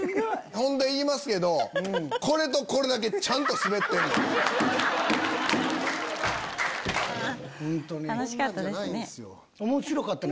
ほんで言いますけどこれとこれだけちゃんとスベってんねん。面白かった。